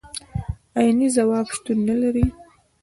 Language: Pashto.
عيني ځواب شتون نه لري.